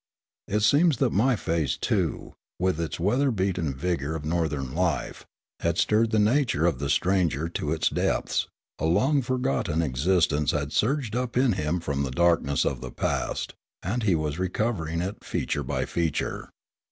It seems that my face too, w'ith its weather beaten vigour of northern life, had stirred the nature of the stranger The Mysterious Shot 5 to its depths ; a long forgotten existence had surged up in him from the darkness of the past, and he was re covering it feature by feature.